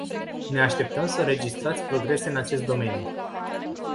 Ne așteptăm să înregistrați progrese în acest domeniu.